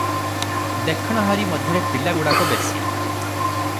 ଦେଖଣାହାରୀ ମଧ୍ୟରେ ପିଲାଗୁଡାକ ବେଶି ।